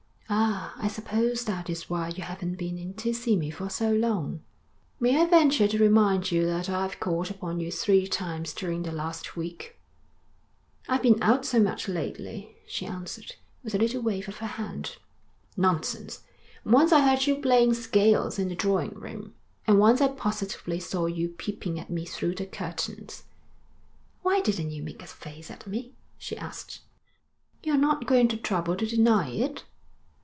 'Ah, I suppose that is why you haven't been in to see me for so long.' 'May I venture to remind you that I've called upon you three times during the last week.' 'I've been out so much lately,' she answered, with a little wave of her hand. 'Nonsense. Once I heard you playing scales in the drawing room, and once I positively saw you peeping at me through the curtains.' 'Why didn't you make a face at me?' she asked. 'You're not going to trouble to deny it?'